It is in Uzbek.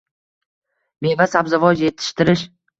- meva sabzavot yetishtirish